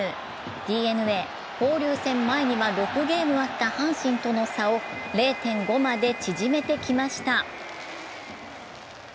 ＤｅＮＡ、交流戦前には６ゲームあった阪神との差を０．５まで縮めてきました。